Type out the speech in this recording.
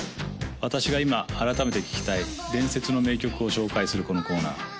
私が今改めて聴きたい伝説の名曲を紹介するこのコーナー